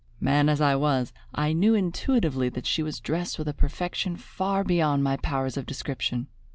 Man as I was, I knew intuitively that she was dressed with a perfection far beyond my powers of description.